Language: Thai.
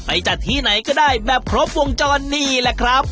จัดที่ไหนก็ได้แบบครบวงจรนี่แหละครับ